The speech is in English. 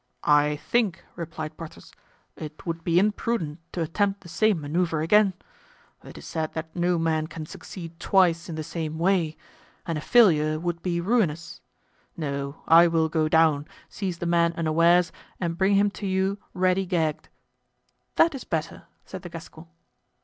"I think," replied Porthos, "it would be imprudent to attempt the same manoeuvre again; it is said that no man can succeed twice in the same way, and a failure would be ruinous. No; I will go down, seize the man unawares and bring him to you ready gagged." "That is better," said the Gascon.